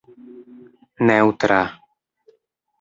neŭtra